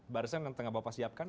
barisan yang tengah bapak siapkan